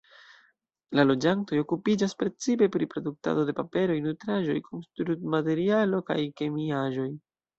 La loĝantoj okupiĝas precipe pri produktadoj de paperoj, nutraĵoj, konstrumaterialoj kaj kemiaĵoj.